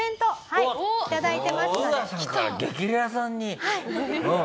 はい。